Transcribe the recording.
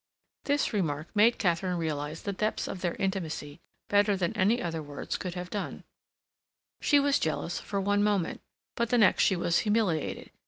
This remark made Katharine realize the depths of their intimacy better than any other words could have done; she was jealous for one moment; but the next she was humiliated.